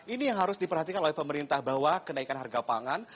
ini yang harus diperhatikan oleh pemerintah bahwa kenaikan harga pangan